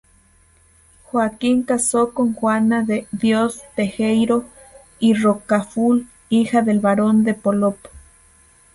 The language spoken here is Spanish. Joaquín casó con Juana de Dios Teijeiro y Rocafull, hija del barón de Polop.